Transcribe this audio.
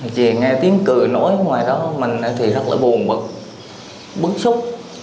về nghe tiếng cười nói ở ngoài đó mình thì rất là buồn bật bấn xúc